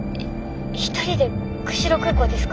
一人で釧路空港ですか？